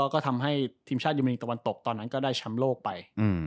ก็ทำให้ที่ทีมชาติยุโมนีวตะวันตกก็ได้ชำโลกไป